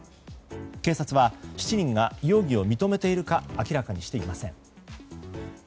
警察は７人が容疑を認めているか明らかにしていません。